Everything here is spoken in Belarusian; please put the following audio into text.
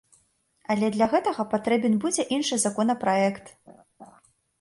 Але для гэтага патрэбен будзе іншы законапраект.